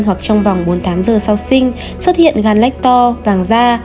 hoặc trong vòng bốn mươi tám giờ sau sinh xuất hiện gan lách to vàng da